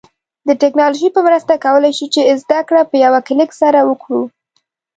د ټیکنالوژی په مرسته کولای شو چې زده کړه په یوه کلیک سره وکړو